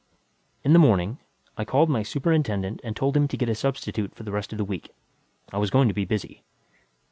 In the morning, I called my superintendent and told him to get a substitute for the rest of the week; I was going to be busy.